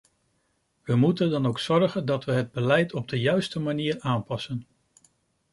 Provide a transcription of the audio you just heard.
We moeten dan ook zorgen dat we het beleid op de juiste manier aanpassen.